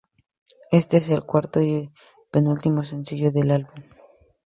Éste es el cuarto y penúltimo sencillo del álbum.